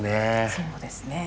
そうですね。